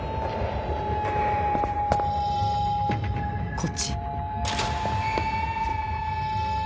こっち